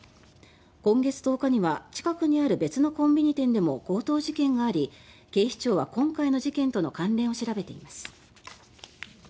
今月１０日には近くにある別のコンビニ店でも強盗事件があり警視庁は今回の事件との関連を調べています。